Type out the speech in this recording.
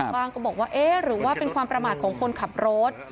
ก็บอกว่าเอ๊ะหรือว่าเป็นความประมาทของคนขับรถ